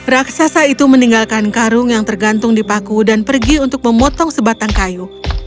raksasa itu meninggalkan karung yang tergantung di paku dan pergi untuk memotong sebatang kayu